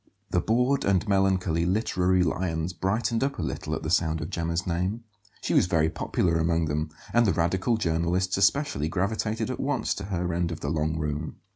The bored and melancholy literary lions brightened up a little at the sound of Gemma's name; she was very popular among them; and the radical journalists, especially, gravitated at once to her end of the long room.